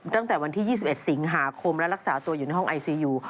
ตั้งแต่วันที่๒๑สิงหาคมและรักษาตัวอยู่ในห้องไอซียู